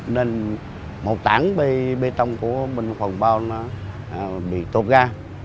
nên một tảng bê tông của mình phần bao nó bị tột ra